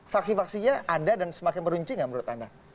faksi faksinya ada dan semakin merunci nggak menurut anda